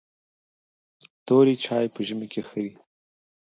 توري چای په ژمي کې ښه دي .